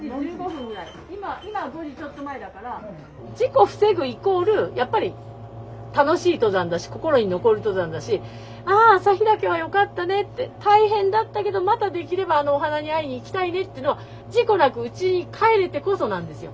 事故防ぐイコールやっぱり楽しい登山だし心に残る登山だしあ朝日岳は良かったねって大変だったけどまたできればあのお花に会いに行きたいねっていうのは事故なくうちに帰れてこそなんですよ。